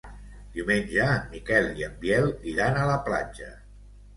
Diumenge en Miquel i en Biel iran a la platja.